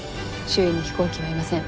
周囲に飛行機はいません。